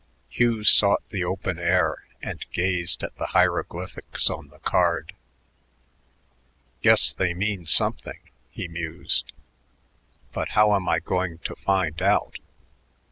Hugh sought the open air and gazed at the hieroglyphics on the card. "Guess they mean something," he mused, "but how am I going to find out?"